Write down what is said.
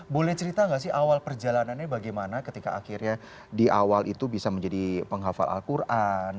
boleh cerita nggak sih awal perjalanannya bagaimana ketika akhirnya di awal itu bisa menjadi penghafal al quran